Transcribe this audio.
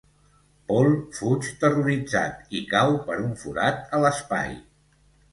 Paul fuig terroritzat i cau per un forat a l'espai.